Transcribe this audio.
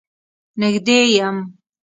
نږدې يم.